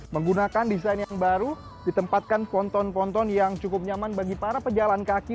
menggunakan desain yang baru ditempatkan ponton ponton yang cukup nyaman bagi para pejalan kaki